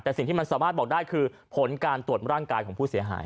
แต่สิ่งที่มันสามารถบอกได้คือผลการตรวจร่างกายของผู้เสียหาย